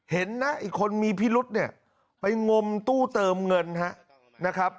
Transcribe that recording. เห็นนะอีกคนมีพิรุษเนี่ยไปงมตู้เติมเงินนะครับ